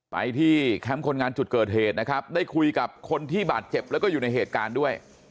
ไปที่แคมป์คนงานจุดเกิดเหตุนะครับได้คุยกับคนที่บาดเจ็บแล้วก็อยู่ในเหตุการณ์ด้วย